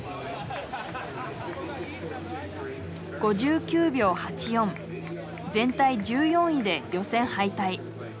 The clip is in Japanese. ５９秒８４全体１４位で予選敗退。